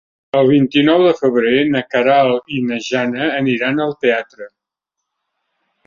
El vint-i-nou de febrer na Queralt i na Jana aniran al teatre.